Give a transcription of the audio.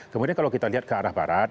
kemudian kalau kita lihat ke arah barat